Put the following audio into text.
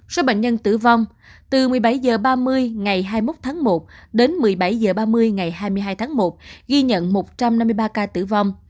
số bệnh nhân tử vong từ một mươi bảy h ba mươi ngày hai mươi một tháng một đến một mươi bảy h ba mươi ngày hai mươi hai tháng một ghi nhận một trăm năm mươi ba ca tử vong